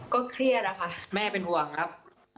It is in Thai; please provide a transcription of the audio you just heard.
เครียดอะค่ะแม่เป็นห่วงครับ